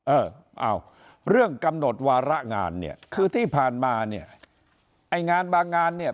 เออเอาเรื่องกำหนดวาระงานเนี่ยคือที่ผ่านมาเนี่ยไอ้งานบางงานเนี่ย